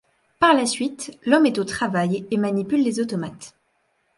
Par la suite, l'homme est au travail et manipule les automates.